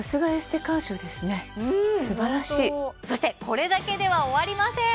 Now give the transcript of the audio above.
んでもそしてこれだけでは終わりません